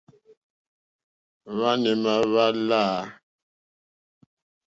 Hwáǎnà émá hwá láǃá.